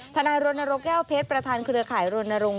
ทนารโรนโรแก้วเพชรประธานเชื้อข่ายโรนโรง